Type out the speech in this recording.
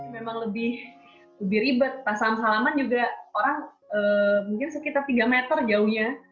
memang lebih ribet tak salam salaman juga orang mungkin sekitar tiga meter jauhnya